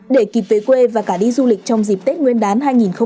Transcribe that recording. để kịp về quê và cả đi du lịch trong dịp tết nguyên đán hai nghìn hai mươi